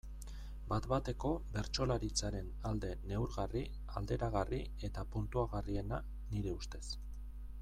Bat-bateko bertsolaritzaren alde neurgarri, alderagarri eta puntuagarriena, nire ustez.